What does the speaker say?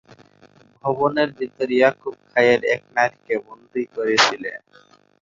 ভবনের ভেতর ইয়াকুব খায়ের এক নারীকে বন্দি করেছিল।